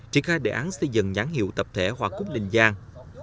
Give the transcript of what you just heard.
triển khai đề án xây dựng nhãn hiệu tập thể hoa cúc linh giang